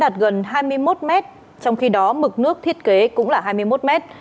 đạt gần hai mươi một mét trong khi đó mực nước thiết kế cũng là hai mươi một m